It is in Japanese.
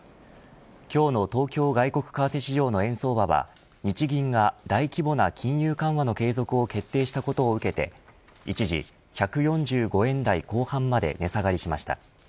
今日の東京外国為替市場の円相場は日銀が大規模な金融緩和の継続を決定したことを受けて一時１４５円台後半まで値下がりしました。